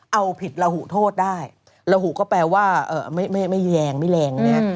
เอาผิดระหุโทษได้ระหุก็แปลว่าไม่แยงไม่แรงนะฮะ